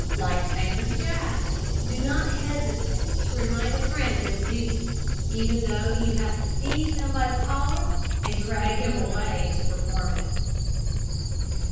Like famous Jack, do not hesitate to remind a friend of his duty, even though you have to seize him by the collar and drag him away to perform it.